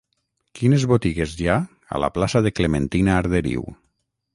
Quines botigues hi ha a la plaça de Clementina Arderiu?